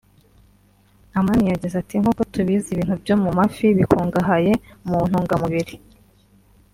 Amani yagize ati “ Nkuko tubizi ibintu byo mu mafi bikungahaye mu ntungamubiri